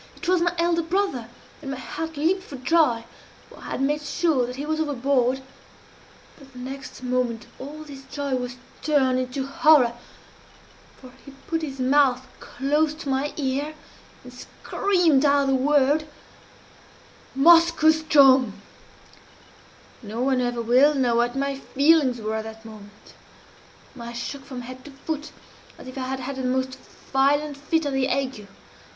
It was my elder brother, and my heart leaped for joy, for I had made sure that he was overboard but the next moment all this joy was turned into horror for he put his mouth close to my ear, and screamed out the word 'Moskoe ström!' "No one will ever know what my feelings were at that moment. I shook from head to foot as if I had had the most violent fit of the ague.